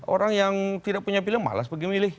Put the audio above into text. orang yang tidak punya pilihan malas pergi milih